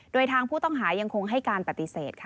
โดยทางผู้ต้องหายังคงให้การปฏิเสธค่ะ